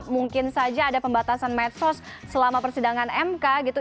mungkin saja ada pembatasan medsos selama persidangan mk gitu